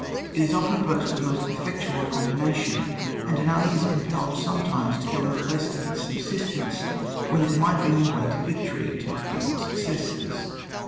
It is often opposed to the most ofTectual combination, and an army is compelled sometimes to go in quest of its subsistence, when it might be on the way to victory, to brilliant successes.